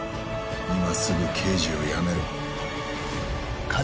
「今すぐ刑事を辞めろ」